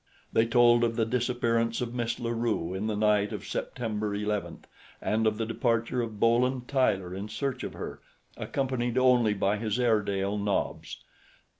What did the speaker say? They told of the disappearance of Miss La Rue in the night of September 11th, and of the departure of Bowen Tyler in search of her, accompanied only by his Airedale, Nobs.